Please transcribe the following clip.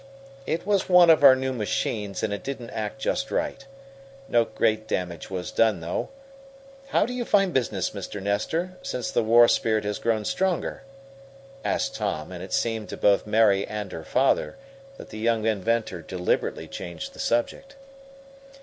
"It was one of our new machines, and it didn't act just right. No great damage was done, though. How do you find business, Mr. Nestor, since the war spirit has grown stronger?" asked Tom, and it seemed to both Mary and her father that the young inventor deliberately changed the subject.